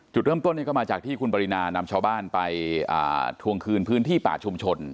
จุดเริ่มต้นนี้ก็มาจากที่คุณปรินานำชาวบ้านไปทวงคืนพื้นที่ป่าชุมชน